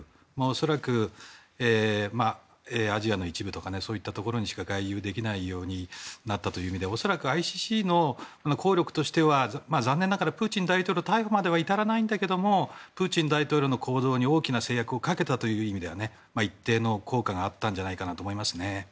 恐らく、アジアの一部とかそういったところにしか外遊できないようになったという意味でＩＣＣの効力としては残念ながらプーチン大統領の逮捕には至らないんだけどもプーチン大統領の行動に大きな制約をかけたという意味では一定の効果があったのではと思いますね。